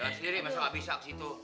jangan sendiri masa gak bisa ke situ